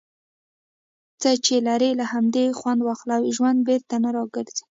څۀ چې لرې، له همدې خؤند واخله. ژؤند بیرته نۀ را ګرځي.